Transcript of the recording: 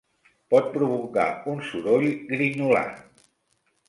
Pot provocar un soroll grinyolant.